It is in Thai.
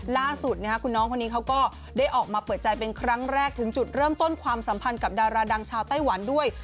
ล่าสุดคุณน้องคนนี้เขาก็ได้ออกมาเปิดใจเป็นครั้งแรกถึงจุดเริ่มต้นความสัมพันธ์กับดาราดังชาวไต้หวันด้วย